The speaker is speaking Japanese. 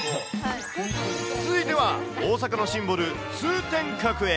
続いては、大阪のシンボル、通天閣へ。